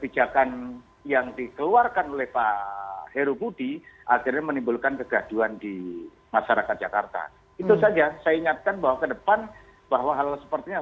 contoh misalnya soal jalur sepeda